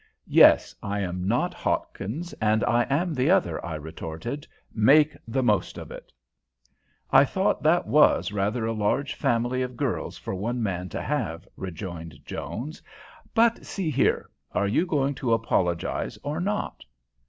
"Yes, I am not Hawkins, and I am the other," I retorted. "Make the most of it." "I thought that was rather a large family of girls for one man to have," rejoined Jones. "But see here are you going to apologize or not?"